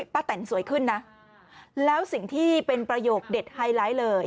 แตนสวยขึ้นนะแล้วสิ่งที่เป็นประโยคเด็ดไฮไลท์เลย